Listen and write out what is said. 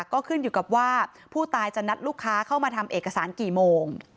ก็ขึ้นอยู่กับว่าผู้ตายจะนัดลูกค้าเข้ามาทำเอกสารกี่โมง